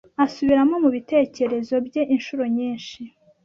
asubiramo mu bitekerezo bye inshuro nyinshi,